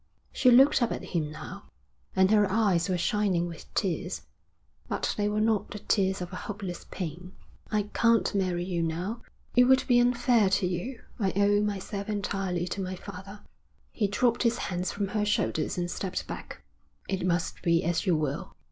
She looked up at him now, and her eyes were shining with tears, but they were not the tears of a hopeless pain. 'I can't marry you now. It would be unfair to you. I owe myself entirely to my father.' He dropped his hands from her shoulders and stepped back. 'It must be as you will.'